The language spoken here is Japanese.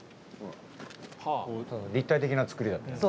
立体的な造りだったよね。